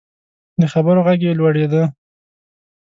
د خبرو غږ یې لوړیده.